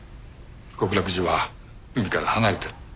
極楽寺は海から離れてる。